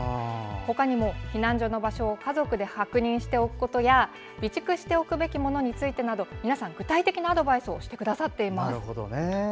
他にも、避難所の場所を家族で確認しておくことや備蓄しておくべきものについてなど皆さん、具体的なアドバイスをしてくださっています。